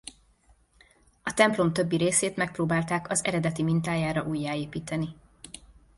A templom többi részét megpróbálták az eredeti mintájára újjáépíteni.